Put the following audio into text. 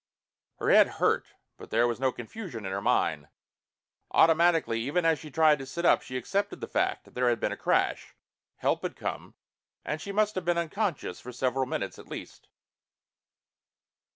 Her head hurt but there was no confusion in her mind. Automatically, even as she tried to sit up, she accepted the fact that there had been a crash, help had come, and she must have been unconscious for several minutes at least.